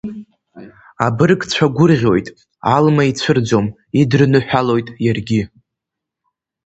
Абыргцәа гәырӷьоит, Алма ицәырӡом, идырныҳәалоит иаргьы.